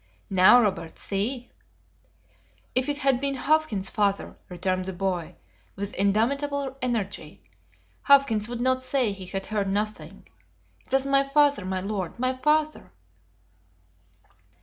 "Now Robert, see?" "If it had been Hawkins's father," returned the boy, with indomitable energy, "Hawkins would not say he had heard nothing. It was my father, my lord! my father."